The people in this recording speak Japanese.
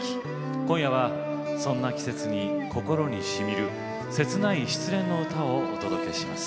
今夜は、そんな季節に心にしみる切ない失恋の歌を、お届けします。